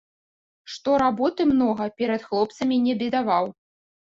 Што работы многа, перад хлопцамі не бедаваў.